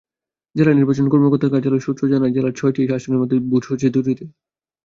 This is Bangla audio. জেলা নির্বাচন কর্মকর্তার কার্যালয় সূত্র জানায়, জেলার ছয়টি আসনের মধ্যে ভোট হচ্ছে দুটিতে।